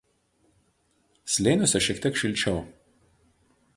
Slėniuose šiek tiek šilčiau.